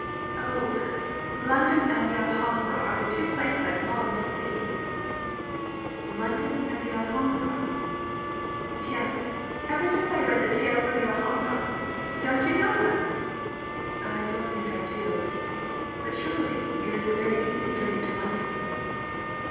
"Oh! London and the Alhambra are the two places I long to see!" "London and the Alhambra!" "Yes! ever since I read the Tales of the Alhambra. Don't you know them?" "I don't think I do. But surely, it is a very easy journey to London."